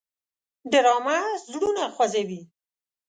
ډرامه زړونه خوځوي